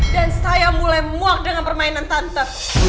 dan saya mulai muak dengan permainan tante